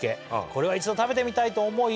「これは一度食べてみたいと思い